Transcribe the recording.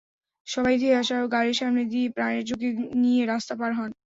সবাই ধেয়ে আসা গাড়ির সামনে দিয়ে প্রাণের ঝুঁকি নিয়ে রাস্তা পার হন।